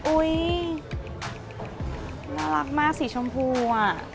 อุ๊ยน่ารักมากสีชมพูอ่ะ